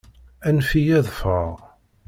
Anef-iyi ad ffɣeɣ!